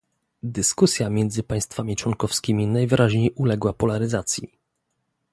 Dyskusja między państwami członkowskimi najwyraźniej uległa polaryzacji